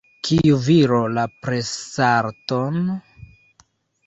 Kiu viro la presarton?